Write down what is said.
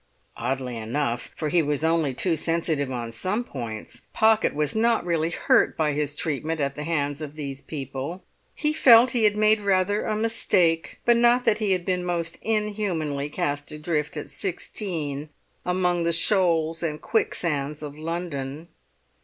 Oddly enough, for he was only too sensitive on some points, Pocket was not really hurt by his treatment at the hands of these people; he felt he had made rather a mistake, but not that he had been most inhumanly cast adrift at sixteen among the shoals and quicksands of London.